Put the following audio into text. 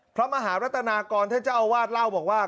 พระมหารัตนากรท่านเจ้าอาวาสเล่าบอกว่า